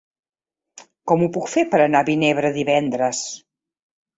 Com ho puc fer per anar a Vinebre divendres?